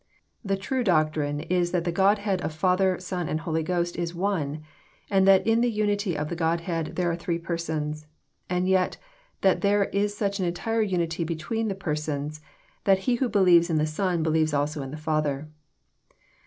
The true doctrine is that the Godhead of Father, Son, and Holy Ghost is one, and that in the unity of the Godhead there are three Persons, and yet that there is such entire unity between the Persons, that He who believes in the Sou believes also in the Father.